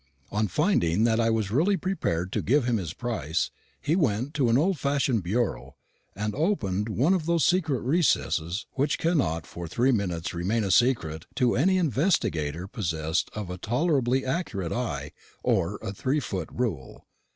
On finding that I was really prepared to give him his price, he went to an old fashioned bureau, and opened one of those secret recesses which cannot for three minutes remain a secret to any investigator possessed of a tolerably accurate eye or a three foot rule.